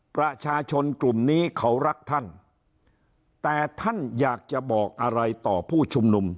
ประชาชนกลุ่มนี้เขารักท่านแต่ท่านอยากจะบอกอะไรต่อผู้ชุมนุม